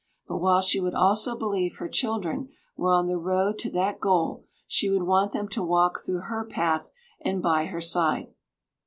But while she would also believe her children were on the road to that goal, she would want them to walk through her path and by her side.